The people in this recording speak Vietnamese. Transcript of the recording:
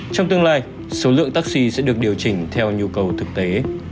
trong tương lai số lượng taxi sẽ được điều chỉnh theo nhu cầu thực tế